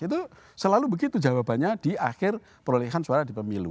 itu selalu begitu jawabannya di akhir perolehan suara di pemilu